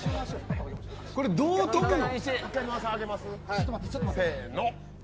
これ、どう跳ぶの。